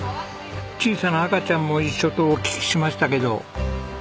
小さな赤ちゃんも一緒とお聞きしましたけど？